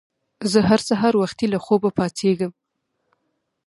زه هر سهار وختي له خوبه پاڅیږم.